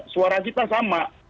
suara kita sama